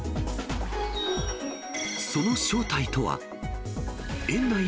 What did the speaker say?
その正体とは？